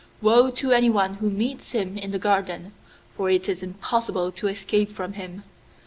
Woe to anyone who meets him in the garden, for it is impossible to escape from him.